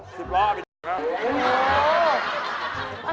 สิบร้อนอี๋ครั้ง